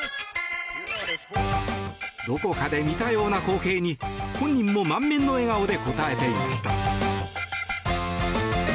どこかで見たような光景に本人も満面の笑顔で応えていました。